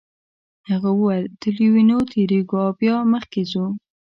هغه وویل تر لویینو تیریږو او بیا مخکې ځو.